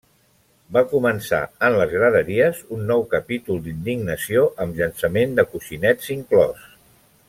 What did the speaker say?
Va començar en les graderies un nou capítol d'indignació amb llançament de coixinets inclòs.